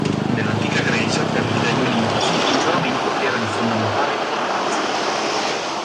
Nella antica Grecia per gli dei olimpici il giuramento era di fondamentale importanza.